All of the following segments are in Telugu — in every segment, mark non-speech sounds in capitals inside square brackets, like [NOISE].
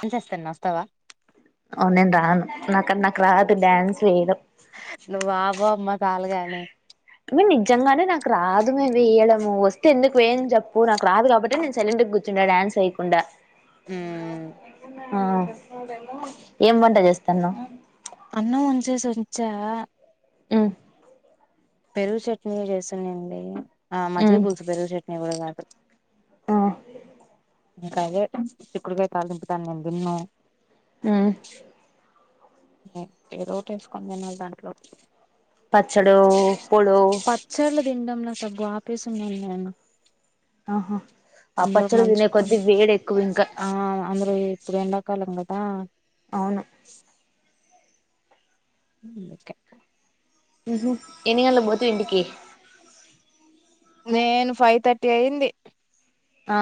డాన్స్ చేస్తున వస్తావా అ నేను రాను నాక నాకు రాదు డ్యాన్స్ వేయడం నువ్వు అపవామా సలుగాని నిజంగానే నాకు రాదుమే వేయడము వస్తే ఎందుకు వేయని చెప్పు నాకు రాదు కాబట్టి నేను సలెం కూర్చుండా డాన్స్ వేయకుండా [UNINTELLIGIBLE] ఆ ఏం వంట చేస్తాన్నావ అన్నం వంచేసి వచ్చా ఉమ్ పెరుగు చట్నీ చేస్తున్నాండి ఆ మజిక ఉమ్ పులుసు పెరుగు చెట్నీ మి ఉరు కధు ఆ ఇంకా అదే చిక్కుడుగాయ తాళింపు దాని నేను తిన్ను ఉమ్ ఏదోట వేసుకొని తినాలి దాంట్లో పచ్చడో పొళో తిండంలో తగ ఆపేసి న నేను ఆహా ఆ అందులోకి పచ్చలు తినే కొద్ద్దీ నంచుకొని వేడి ఎక్కువ ఇంకా ఆ అందరూ ఇప్పుడు ఎండకాలం కదా అవును ఒకే హు ఎన్ని అ పోత ఇంటికి నేను ఫైవ్ థర్టీ అయింది ఆ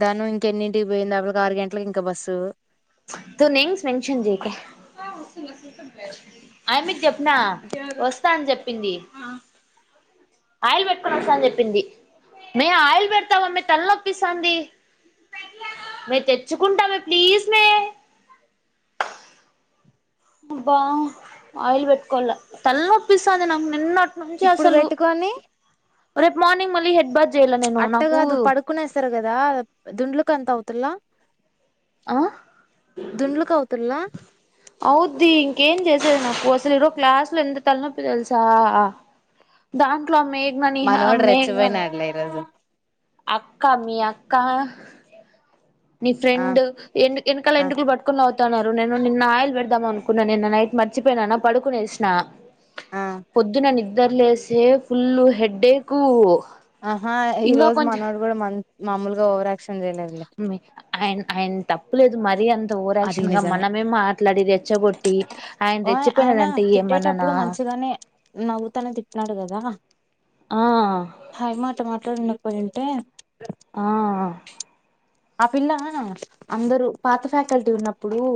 దాను ఇంకెన్నింటి పోయ్య అప్పటికి ఆరు గంటలకుకి ఇంకా బస్సు తూ నేమ్స్ మెంషన్ చేక అ నా వస్తా అని చెప్ప పిడి ఆయిల్ పెట్టుకుని వస్తా అని చెప్పింది మేము ఆయిల్ పెడతామ మ తల్నొ ప్పిస్తాంది మే తెచ్చుకుంటామే ప్లీజ్ మే అబ్బా ఆయిల్ బట్ తలనొప్పిస్తుంది నాకు నిన్నటి నుంచి ఇప్పుడు అసలు పెట్టుకొని రేపు మార్ మలీ హెడ్బాద్ చేయలా నేను నాకు అదా దుండ్లుకి అంత అవుతులా ఆ అవుతుల్లా అవుద్ది ఇంకేం చేసేది నాకుస ఇ క్లాస్ లో ఎంత తలనప్పు తెలుసా దాట్ లో మేఘనా నిహ మనోడు మేఘనా రెచ్చిపోయినాడులే ఈరోజు అక్క మీ అక్క నీ ఆ ఫ్రెండ్ ఎ వెనకాల ఆ ఎంటకలు పట్కుని అవుతున్నారు నేను నిన్న ఆయిల్ ద అనుకు నైట్ మరిచిపోయినన్న పడుకునేేసిన ఆ పొద్దున ని ఇద్దర లేసే ఫుల్ హెడేకు ఆహా ఈ రోజు మనోడు కూడా మంచి మామూలుగా ఓరాక్షన్ అ అయ తప్ప చెప్పులేదు మరీ అంత అది ఓరాక్షన్ గా నిజమే మనమే మాట్లాడి రెచ్చగొట్టి ఆయన ఓయ్ ఆయన రెచ్చిపోయినాడంటే ఏమన్నానా తిట్టేటప్పుడు మంచిగానే నవ్వుతానే తిట్టినాడు కదా ఆ పోయింటే ఆ ఆ పిల్లనా అందరుూ పాత ఫ్యాకల్టీ ఉన్నప్పు ఇప్పుడు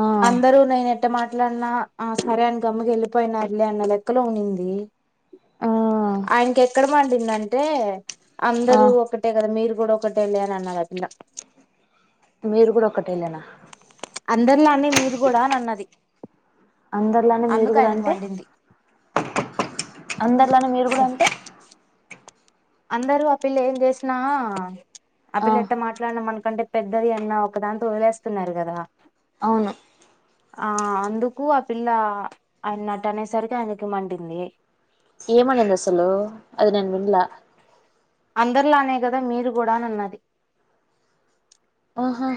ఆ అందరూ నైన అట్ట మాట్లాడినా ఆ సరే అయన గమ్మకి వెళ్ళిపోయినారు లే అన్న లెక్కలో ఉనింది ఆ ఆయనకి ఎక్కడ పండిందంటే ఆ అందరుూ ఒకటే కదా మీరు కుడ ఒకటే లే నన్నాదాపిల్ల మీరు కూడా ఒక్కటేలేనా అందరిలానే మీరు కూడా అనన్నది అందరిలానే మీరు కూడా అంటే మండింది అందరిలానే మీరు కూడా అంటే అందరూ ఆ పిల్ల ఏం చేసినా అ ఆ పిల్ల ఎట్ట మాట్లాడినా మన్ కంటే పెద్దది అన్నా ఒక దాంతో వదిలేస్తున్నారు కదా అవును ఆ అందుకు ఆ పిల్ల ఆయన్నట్ట అనేసరికి ఆయనకి మడింది ఏమనింది అసలు అది నేను వినలా అందరిలానే కదా మీరు కూడా అనన్నది ఆహా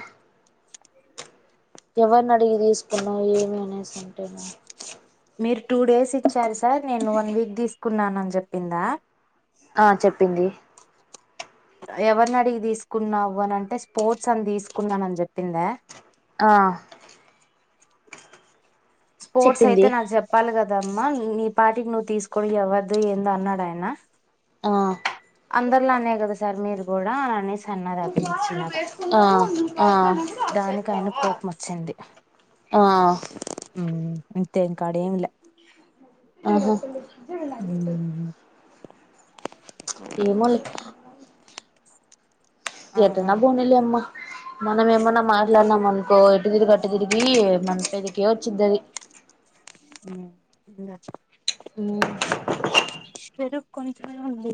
ఎవరిని అడిగి తీసుకున్నావ్ ఏమి అనేసి అంటేనా మీరు టూ డేస్ ఇచ్చారు సార్ నేను వన్ వీక్ తీసుకున్నాను అని చెప్పిందా ఆ చెప్పింది ఎవరిని అడిగి తీసుకున్నావు అని అంటే స్పోర్ట్స్ అని తీసుకున్నాను అని చెప్పిందా ఆ స్పోర్ట్స్ అయితే చెప్పింది నాకు చెప్పాలిగ దమ్మా నీ నీపాటికి నువ్వు తీసుకోని ఎవ్వదు ఏందో అన్నాడు ఆయన ఆ అందరిలానే కదా సార్ మీరు కూడా అనేస్ ఆ ఆ దానికి ఆయనకు కోపం వచ్చింది ఆ ఉమ్మ్ ఇంతే ఇంకాడేం లా ఆహో ఉమ్, ఏమోలే ఆ ఏటన్నా బోనీలే అమ్మ మనం ఏమన్నా మాట్లానాం మనుకో ఇటు తిరిగి అటు తిరిగి మన [UNINTELLIGIBLE] కే వచ్చిద్ది అది ఉమ్మ్ ఇంగా చ ఉమ్మ్ పెరుగు కొంచెమే ఉంది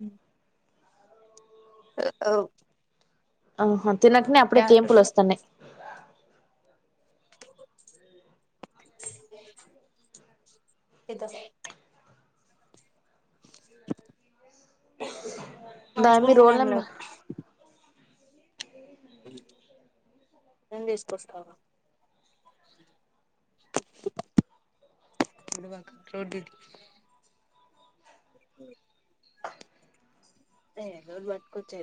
ఉమ్ ఆ ఎవ్ ఔ హ తినకనే అప్పుడే కేంపులొస్తన్నయి ఏదా దాని అంచుకోని మీద కూడా రోల్ ఏం లేదు నెంబర్ తీసుకొస్తావా రడ్ అ అట్చ్చ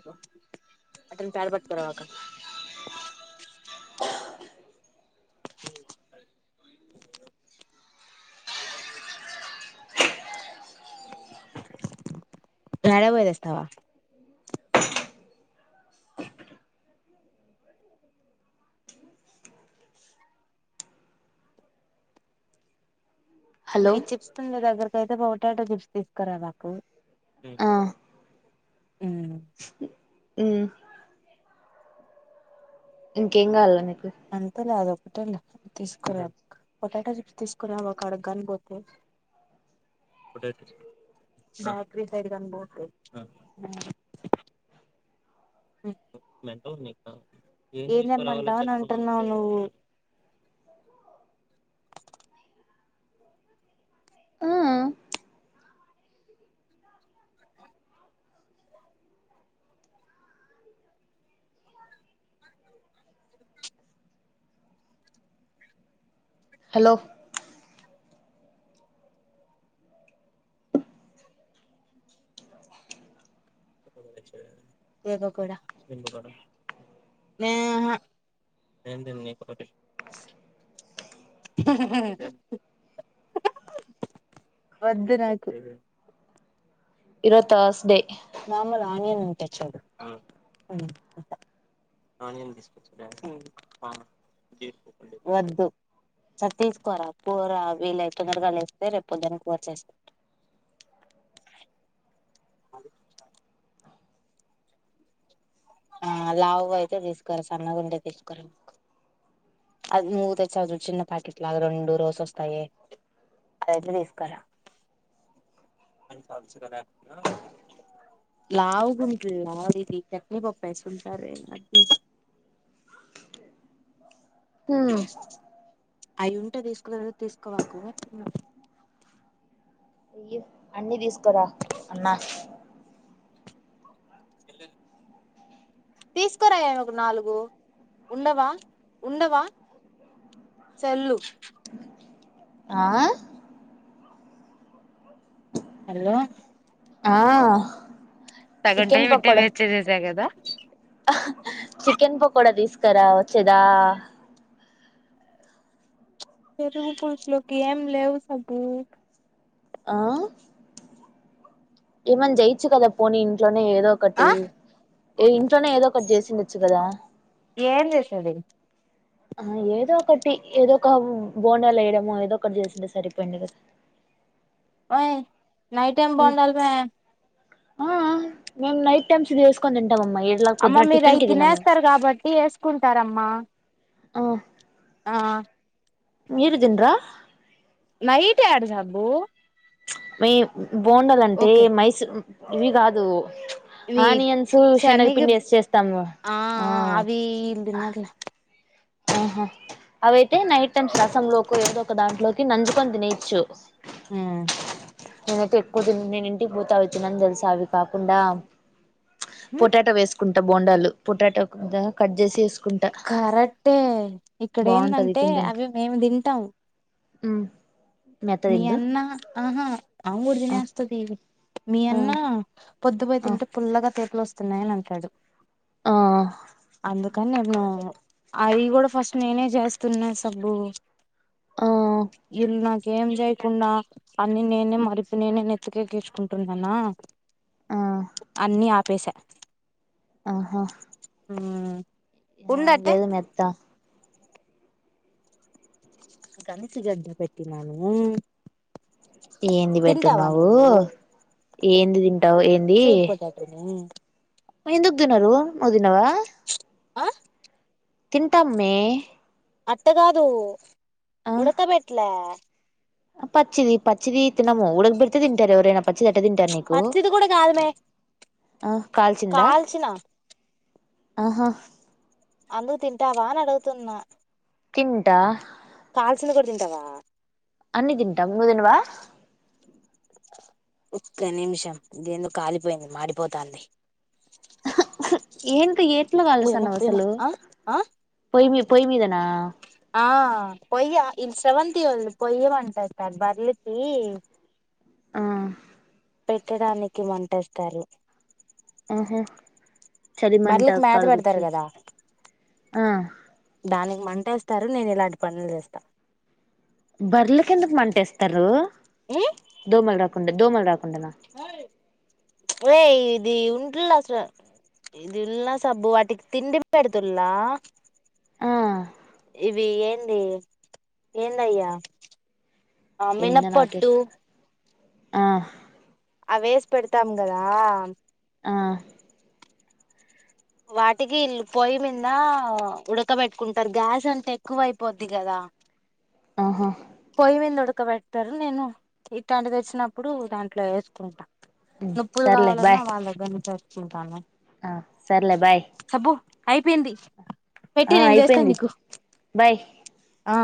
మటన్ పడ పట్ పవాక ఎడ పోయదస్తావా ఇ హలో వి చిప్స్ తంద దగ ఇయితే పొటాటో చిప్స్ తీసుకురా మాకు ఆ హా మ్మ్ ఇంకేం కావాల నకు అంతలే అద తీసుకు రా పొటాటో చిప్స్ తీసుకు ఒక అడని పోతే బ సైడ్ కనితే మంట అంటున్నావు నువ్వు హలో ఏ కూడా ఆహా వద్దు నాకు ఇరో తర్స్ డే మామూలు ఆనియన్ ఉంటాయి చూడు వద్దు సరే తీసుకోర కూర వీళ్లై తొందరగాలు వస్తే రే పొద్దున్న కూర చేస్త అహా ఆ లావు అయితే తీసుకుర సన్నగుంటె తీసుకోరకు అది మూ తె చవదు చిన్న ప్యాకెట్ లాగా రెండు రోజ వస్తాయ అద తీసుకుారా లావుంటుందిలాది చట్నీ పప్పేంటారు అయి ఉంటే తీసుకున్న తీసుకోవకుగా అన్నీ తీసుకురా అన్నా తీసుకురామ ఒక నాలుగు ఉండవా ఉండవా చెల్లు ఆ హలో ఆ తగంటా చికెన్ ఏ వింటే పకోడా వేచ్చే చేసా కదా చికెన్ పకోడా తీసుకురా వచ్చేదా ఫరు పకి ఎం లేవు సబు ఆ ఏవ జయిించు కదా పోనీంటో ఏదో ఒకటి ఆ ఏ ఇంట్లోనే ఏదో ఒకటి చేసింది వచ్చకదా ఏం చేసేది ఆ ఏదో ఒకటి ఏదో ఒక బోనాలు వేయడము ఏదో ఒకటి చేసిందిే సరిపోయిందిడు కదా యి్ నైట్ టైం బాగుండాలి మే ఆ మేం నైట్ టైమ్స్ది వేసుకోందండి అమ్మ మీరు అయి తినేస్తారు కాబట్టి వేసుకుంటార అమ్మా మా ఆ ఆహా మీరుదన్రా మహతే అడుజబు మ బోండాలంటే మైసూర్ ఇవి కాదు ఇవి ఆనియన్స్ శనగ శనగపిండి వేసి చేస్తాము ఆ అవి ఈళ్ళు తినర్లే ఆహా అవైతే నైట్ టైం రసంలోకి ఏదో ఒక దాంట్లోకి నంజుకొని తినేచ్చు ఉ నేనైతే ఎక్కువ తి నేను ఇంటికి పోతే అవి తినను తెలుసా అవి కాకుండా పొటాటో వేసుకుం ప బోండాలు పొటాటో కట్ చేసి వేసుకుంటా కరెట్ ఇక్కడ బాగుంటది ఎందంటే అవి మేము తింటాం ఉ మీ అన్నా ఆహా ఆమ్ కూడ ఆ తినేస్తది మీ ఆ అన్నా పొద్దు పోయి తింటే ఆ పుల్లగా తేపులు వస్తున్నాయి ఆ టడు ఆ అందుకని నేను అవి కూడా ఫస్ట్ నేనే చేస్తున్నా సుబ్బు ఆ [UNINTELLIGIBLE] ఏం చేయకుండా అన్ని నేనే మరిపి నేనే నెత్తికెకిచుకుంటునాన ఆ అన్ని ఆ పేస ఆహా ఆ ఆ లేదు మెత్త గన్సీ గడ్డ పెట్టి తినను ఏంది పెట్టున్నావు ఏంది తింటావు ఏంది స్వీట్ పొటాటోని ఎందుకు దినరు నువ్ దినవా ఆ తింటాం మే అట్ట కాదు ఉడక బెట్లా పచ్చిది పచ్చిది తిన్నము ఉడక పెడితే తింటారు ఎవరైన పచ్చిది ఎట్ట తింటారు నీకు పచ్చిది కూడా కాదుమే అ కాల్సింద కాల్చిన ఆహా అందుకు తింటావా అని అడుగుతున్నా తింటా కాల్సింది కూడా తింటావా అన్ని తింటాం నువ్వు తినవా ఒక్క నిమిషం ఇదేందో కాలిపోయింది, మాడిపోతాంది ఏన్ ఏట్ల ఓయమ్మ ఓయమ్మ కాలుస్తానవసలు ఆ ఆ పొయ్యి మీద్ పొయ్యి మీదనా ఆ పొయ్య ఈమ్ శ్రవంతి వోల్ది పొయ్యమంటెతాన్రూ బర్లికి ఆ పెట్టడానికి మంటెస్తారు ఆహా చలిమంట బర్లకు మేత పెడతారు కడగచ్చు కదా ఆ దానికి మంటేస్తారు నేను ఇలాంటి పనులు చేస్తా బర్లేకెందుకు మంటేస్తారు దోమల్రా కుండా దోమ్ అడా ఏయ్ ఇది ఉంటలే అసలు ప్చ్ ఇదుల సబ్బు వాటికి తిండి పెడతుల ఆ ఇవి ఏంది ఏందయ్యా ఆ ఏందో నాకే మినపట్టు ఆ అవేస్ పెడతాం కదా ఆ వాటికి వీల్ పొయ్యి మింద ఉడకబెట్టుకుంటారు. గ్యాస్ అంతా ఎక్కువైపోద్ది కదా ఆహా పొయ్యి మీద ఉడకబెడతారు నేను ఇట్లాంటిది వచ్చినప్పుడు దాంట్లో వేసుకుంటా. నొప్పులు సర్లే కావాలన్నా బాయ్ వాళ్ళ దగ్గర [UNINTELLIGIBLE] చింతానే ఆ సరలే బాయ్ అయిపోయింది పెట్టి ఆ నేను చేస్తాను అయిపోయింది నీకు బాయ్ ఆ